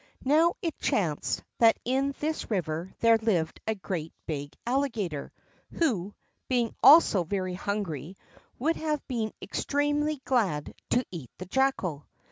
Now it chanced that in this river there lived a great big Alligator, who, being also very hungry, would have been extremely glad to eat the Jackal.